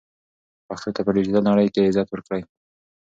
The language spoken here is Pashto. پښتو ته په ډیجیټل نړۍ کې عزت ورکړئ.